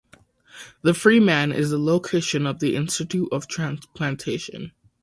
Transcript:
The Freeman is the location of the Institute of Transplantation.